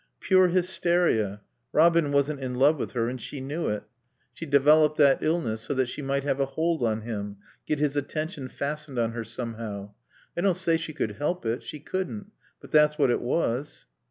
"Pure hysteria. Robin wasn't in love with her, and she knew it. She developed that illness so that she might have a hold on him, get his attention fastened on her somehow. I don't say she could help it. She couldn't. But that's what it was."